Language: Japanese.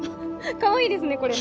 かわいいですねこれね。